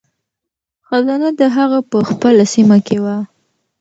خزانه د هغه په خپله سیمه کې وه.